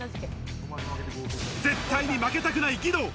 絶対に負けたくない義堂。